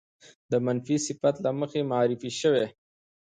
د منفي صفت له مخې معرفې شوې